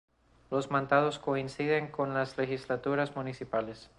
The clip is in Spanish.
Los mandatos coinciden con las legislaturas municipales.